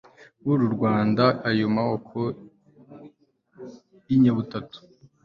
b'uru rwanda, ayo moko y'inyabutatu